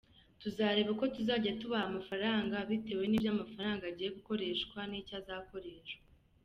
Tuzareba uko tuzajya tubaha amafaranga bitewe n’ibyo amafaranga agiye gukoreshwa n’icyo azakoreshwa.